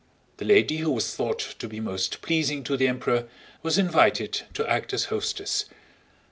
The lady who was thought to be most pleasing to the Emperor was invited to act as hostess.